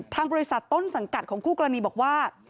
ทางบริษัทต้นสังกัดของคู่กรณีบอกว่า